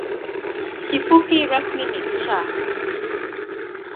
Kifupi rasmi ni ‘Cha’.